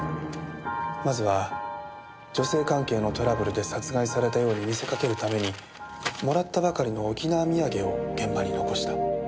まずは女性関係のトラブルで殺害されたように見せかけるためにもらったばかりの沖縄土産を現場に残した。